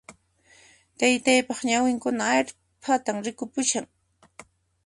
Taytaypaq ñawinkuna arphaytan rikupushan